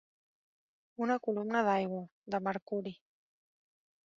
Una columna d'aigua, de mercuri.